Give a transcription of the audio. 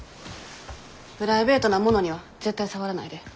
プライベートなものには絶対触らないで。